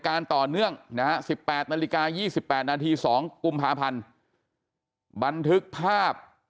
ต่อเนื่องนะฮะ๑๘นาฬิกา๒๘นาที๒กุมภาพันธ์บันทึกภาพ